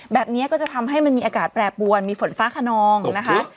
แบบนี้ก็จะทำให้มันมีอากาศแปรปวนมีฝนฟ้าขนองนะคะ